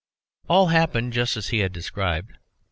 All happened just as he had described.